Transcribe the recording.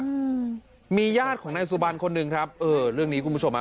อืมมีญาติของนายสุบันคนหนึ่งครับเออเรื่องนี้คุณผู้ชมฮะ